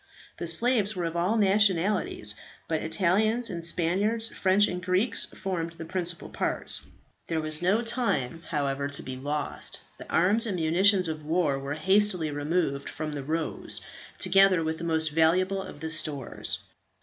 The slaves were of all nationalities, but Italians and Spaniards, French and Greeks, formed the principal part. There was no time, however, to be lost; the arms and munitions of war were hastily removed from the "Rose," together with the most valuable of the stores.